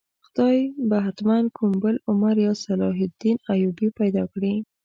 خدای به حتماً کوم بل عمر یا صلاح الدین ایوبي پیدا کړي.